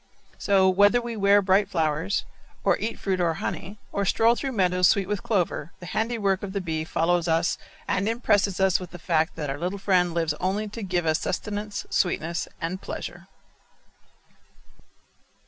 So, whether we wear bright flowers, or eat fruit or honey, or stroll through meadows sweet with clover, the handiwork of the bee follows us and impresses us with the fact that our little friend lives only to give us sustenance, sweetness, and pleasure.